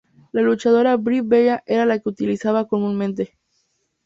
La luchadora Brie Bella era la que la utilizaba comúnmente.